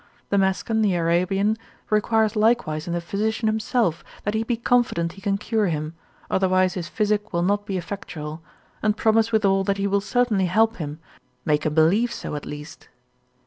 Damascen the Arabian requires likewise in the physician himself, that he be confident he can cure him, otherwise his physic will not be effectual, and promise withal that he will certainly help him, make him believe so at least.